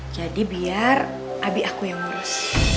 jadi biar abi aku yang urus